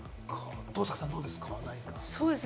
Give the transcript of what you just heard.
登坂さん、どうですか？